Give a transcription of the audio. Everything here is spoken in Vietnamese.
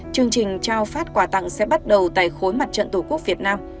chương trình trao phát quà tặng sẽ bắt đầu tại khối mặt trận tổ quốc việt nam